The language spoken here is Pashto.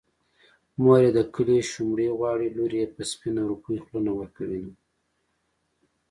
مور يې د کلي شومړې غواړي لور يې په سپينه روپۍ خوله نه ورکوينه